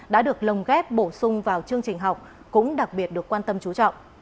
đã được lồng ghép bổ sung vào chương trình học cũng đặc biệt được quan tâm chú trọng